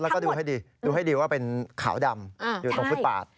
แล้วก็ดูให้ดีดูให้ดีว่าเป็นขาวดำอยู่ตรงฟุตปาด